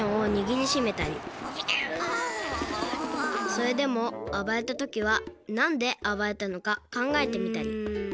それでもあばれたときはなんであばれたのかかんがえてみたりうん。